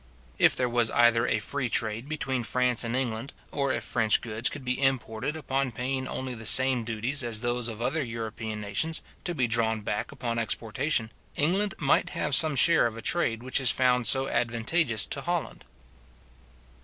If there was either a free trade between France and England, or if French goods could be imported upon paying only the same duties as those of other European nations, to be drawn back upon exportation, England might have some share of a trade which is found so advantageous to Holland.